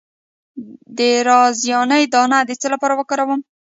د رازیانې دانه د څه لپاره وکاروم؟